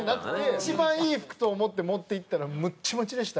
一番いい服と思って持っていったらムッチムチでした